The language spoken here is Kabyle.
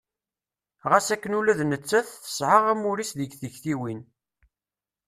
Ɣas akken ula d nettat tesɛa amur-is deg tiktiwin.